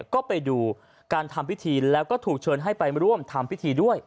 ก็ไปดูการทำพิธีแล้วก็ถูกเชิญให้ไปร่วมทำพิธีด้วย